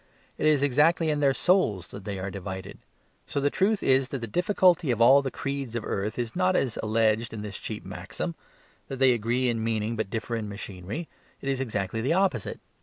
It is exactly in their souls that they are divided. So the truth is that the difficulty of all the creeds of the earth is not as alleged in this cheap maxim: that they agree in meaning, but differ in machinery. It is exactly the opposite.